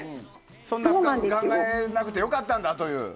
そんなに深く考えなくてよかったんだという。